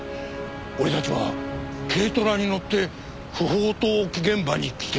俺たちは軽トラに乗って不法投棄現場に来ている。